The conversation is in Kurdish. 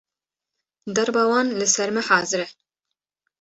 Derba wan li ser me hazir e